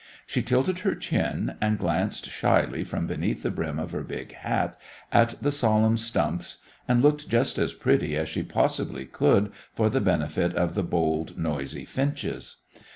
She tilted her chin, and glanced shyly from beneath the brim of her big hat at the solemn stumps, and looked just as pretty as she possibly could for the benefit of the bold, noisy finches.